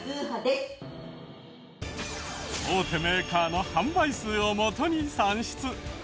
大手メーカーの販売数を元に算出。